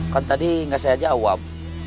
kan tadi nggak saya jawab